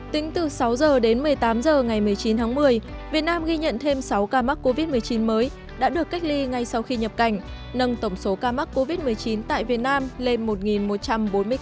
tính từ sáu h đến một mươi tám h ngày một mươi chín tháng một mươi việt nam ghi nhận thêm sáu ca mắc covid một mươi chín mới đã được cách ly ngay sau khi nhập cảnh nâng tổng số ca mắc covid một mươi chín tại việt nam lên một một trăm bốn mươi ca